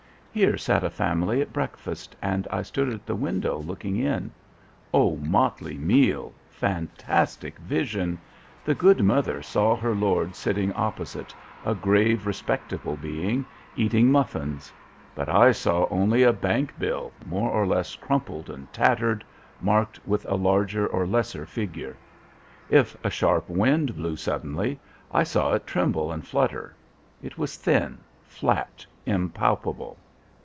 Here sat a family at breakfast, and I stood at the window looking in. O motley meal! fantastic vision! The good mother saw her lord sitting opposite, a grave, respectable being, eating muffins. But I saw only a bank bill, more or less crumpled and tattered, marked with a larger or lesser figure. If a sharp wind blew suddenly, I saw it tremble and flutter; it was thin, flat, impalpable.